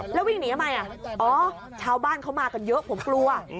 แล้ววิ่งหนีทำไมอ๋อชาวบ้านเขามากันเยอะผมกลัว